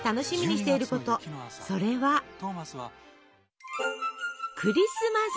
それはクリスマス！